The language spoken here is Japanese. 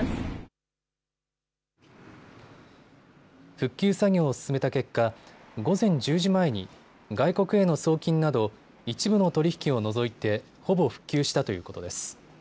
復旧作業を進めた結果、午前１０時前に外国への送金など一部の取り引きを除いてほぼ復旧したということです。